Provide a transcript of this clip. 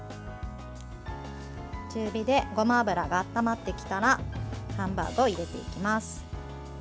中火でごま油が温まってきたらハンバーグを入れていきます。